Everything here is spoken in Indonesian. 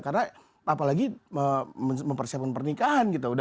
karena apalagi mempersiapkan pernikahan gitu